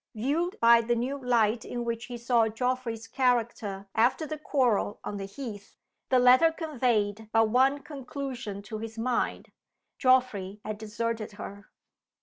Viewed by the new light in which he saw Geoffrey's character after the quarrel on the heath, the letter conveyed but one conclusion to his mind. Geoffrey had deserted her.